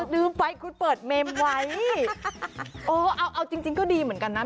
ลืมไปคุณเปิดเมมไว้เอาจริงก็ดีเหมือนกันน่ะ